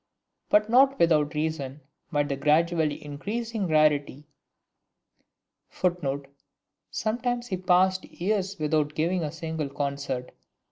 But not without reason, might the gradually increasing rarity [Footnote: Sometimes he passed years without giving a single concert.